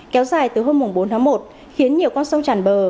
kéo dài từ hôm bốn tháng một khiến nhiều con sông tràn bờ